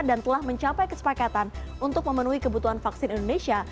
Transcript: dan telah mencapai kesepakatan untuk memenuhi kebutuhan vaksin indonesia